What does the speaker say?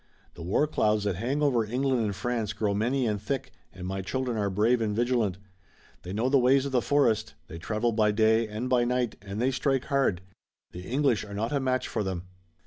The war clouds that hang over England and France grow many and thick, and my children are brave and vigilant. They know the ways of the forest. They travel by day and by night, and they strike hard. The English are not a match for them."